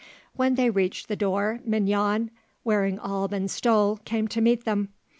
When they reached the door, Mignon, wearing alb and stole, came to meet them.